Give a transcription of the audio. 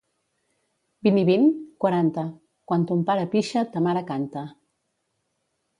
—Vint i vint? —Quaranta. —Quan ton pare pixa, ta mare canta.